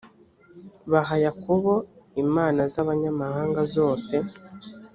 baha yakobo imana z’ abanyamahanga zose